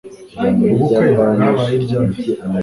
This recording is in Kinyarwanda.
Ubukwe bwabaye ryari